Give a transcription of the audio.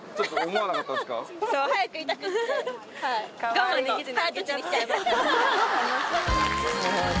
我慢できずに。